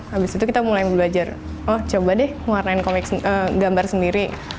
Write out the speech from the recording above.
habis itu kita mulai belajar oh coba deh ngarnain komik